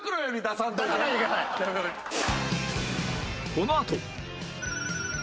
このあと